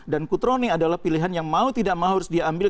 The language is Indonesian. dan kutroni adalah pilihan yang mau tidak mau harus diambil